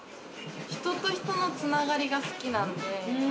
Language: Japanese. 人と人の繋がりが好きなんで。